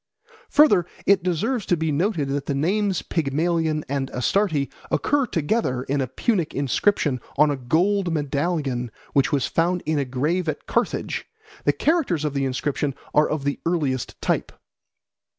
Further, it deserves to be noted that the names Pygmalion and Astarte occur together in a Punic inscription on a gold medallion which was found in a grave at Carthage; the characters of the inscription are of the earliest type.